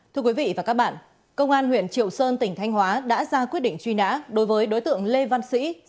thưa quý vị và các bạn công an huyện triệu sơn tỉnh thanh hóa đã ra quyết định truy nã đối với đối tượng lê văn sĩ sinh năm một nghìn chín trăm bảy mươi bảy